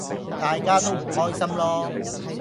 大家都唔開心囉!